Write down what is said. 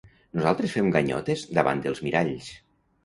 Nosaltres fem ganyotes davant dels miralls.